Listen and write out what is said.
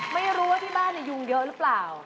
ไม่รู้ว่าที่บ้านยุงเยอะหรือเปล่า